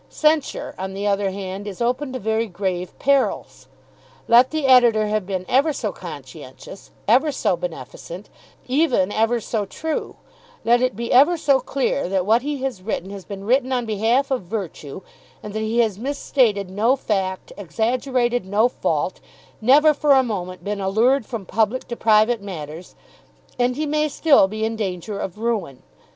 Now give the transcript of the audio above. Censure on the other hand is open to very grave perils. Let the Editor have been ever so conscientious, ever so beneficent, even ever so true, let it be ever so clear that what he has written has been written on behalf of virtue, and that he has misstated no fact, exaggerated no fault, never for a moment been allured from public to private matters, and he may still be in danger of ruin.